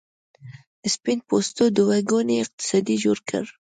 سپین پوستو دوه ګونی اقتصاد جوړ کړ.